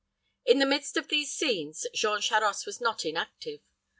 In the midst of these scenes, Jean Charost was not inactive.